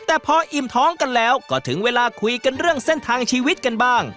แต่พออิ่มท้องกันแล้วก็ถึงเวลาคุยกันเรื่องเส้นทางชีวิตกันบ้าง